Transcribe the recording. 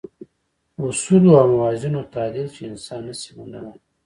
اصولو او موازینو تعدیل چې انسان نه شي منلای.